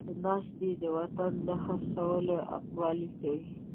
ناست دی د وطن د خر څولو اقبالې کوي